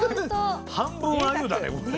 半分あゆだねこれ。